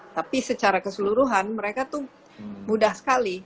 tapi secara keseluruhan mereka tuh mudah sekali